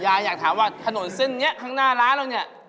อยากถามว่าถนนเส้นนี้ข้างหน้าร้านเราเนี่ย